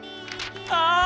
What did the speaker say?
ああ！